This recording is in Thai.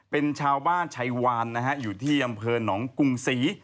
เป็นชาวบ้านชัยวานนะฮะอยู่ที่อำเภอหนองกรุงศรี